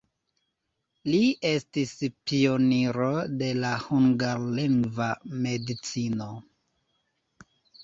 Li estis pioniro de la hungarlingva medicino.